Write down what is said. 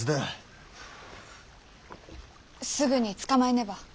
すぐに捕まえねば。